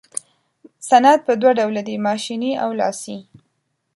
صنعت په دوه ډوله دی ماشیني او لاسي.